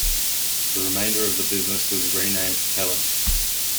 The remainder of the business was renamed Telent.